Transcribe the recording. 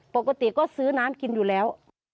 ปกติก็ซื้อน้ำกินอยู่แล้ว